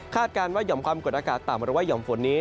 คาดการณ์ว่าหย่อมความกดอากาศต่ำบริเวณว่ายอมฝนนี้